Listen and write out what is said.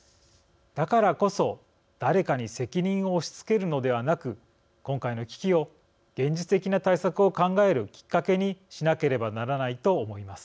だからこそ誰かに責任を押し付けるのではなく今回の危機を現実的な対策を考えるきっかけにしなければならないと思います。